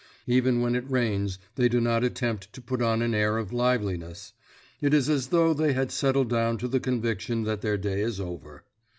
Even when it rains they do not attempt to put on an air of liveliness; it is as though they had settled down to the conviction that their day is over.